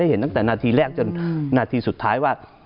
เห็นตั้งแต่นาทีแรกจนนาทีสุดท้ายว่า